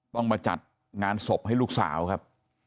ต้องมาจัดงานศพให้ลูกสาวครับ